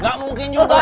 nggak mungkin juga bu